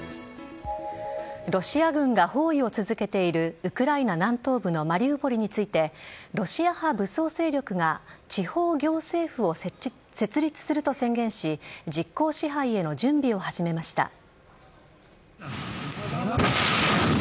ロシア軍が包囲を続けているウクライナ南東部のマリウポリについてロシア派武装勢力が地方行政府を設立すると宣言し実効支配への準備を始めました。